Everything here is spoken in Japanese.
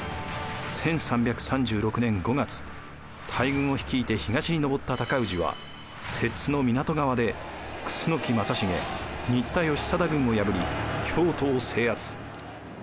１３３６年５月大軍を率いて東に上った尊氏は摂津の湊川で楠木正成新田義貞軍を破り京都を制圧。